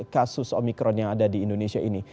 kasus omikron yang ada di indonesia ini